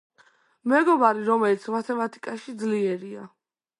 მეგობარი რომელიც მათემატიკაში ძლიერია.